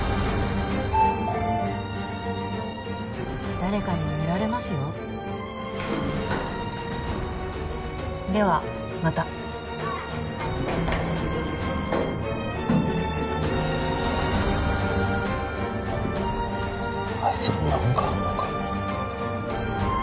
誰かに見られますよではまたあいつら何かあんのか？